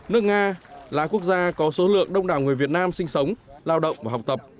nước nga là quốc gia có số lượng đông đảo người việt nam sinh sống lao động và học tập